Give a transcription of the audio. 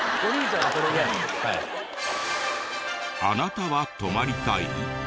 あなたは泊まりたい？